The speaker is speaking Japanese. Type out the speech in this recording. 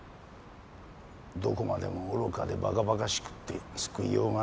どこまでも愚かでバカバカしくて救いようがない。